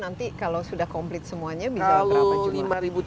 jadi kalau sudah komplit semuanya bisa berapa jumlah